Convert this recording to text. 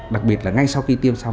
đặc biệt là ngay sau khi tiêm xong